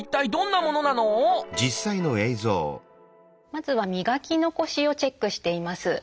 まずは磨き残しをチェックしています。